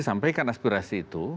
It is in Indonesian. sampaikan aspirasi itu